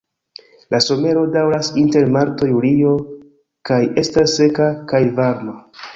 La somero daŭras inter marto-julio kaj estas seka kaj varma.